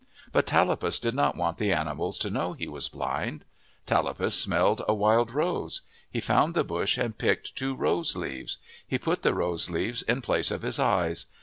But Tallapus did not want the animals to know he was blind. Tallapus smelled a wild rose. He found the bush and picked two rose leaves. He put the rose leaves in place of his eyes.